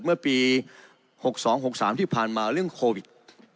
เมื่อปี๖๒๖๓ที่ผ่านมาเรื่องโควิด